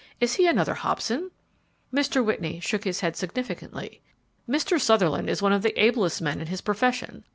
Is he another Hobson?" Mr. Whitney shook his head significantly. "Mr. Sutherland is one of the ablest men in his profession.